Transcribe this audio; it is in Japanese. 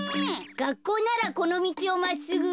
がっこうならこのみちをまっすぐ。